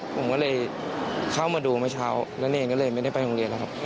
ผมก็เลยเข้ามาดูเมื่อเช้านั่นเองก็เลยไม่ได้ไปโรงเรียนแล้วครับ